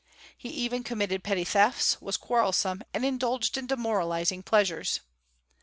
He even committed petty thefts, was quarrelsome, and indulged in demoralizing pleasures.